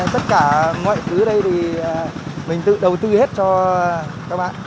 tất cả mọi thứ đây thì mình tự đầu tư hết cho các bạn